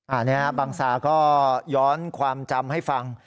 อันนี้บังซาก็ย้อนความจำให้ฟัง